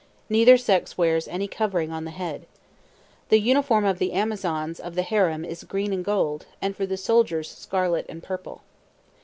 Neither sex wears any covering on the head. The uniform of the Amazons of the harem is green and gold, and for the soldiers scarlet and purple.